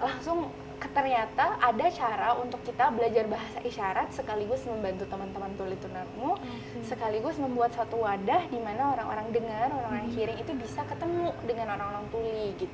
langsung ternyata ada cara untuk kita belajar bahasa isyarat sekaligus membantu teman teman tuli tunarmu sekaligus membuat satu wadah di mana orang orang dengar orang orang kiri itu bisa ketemu dengan orang orang tuli gitu